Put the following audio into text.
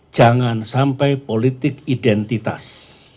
jangan sampai politik identitas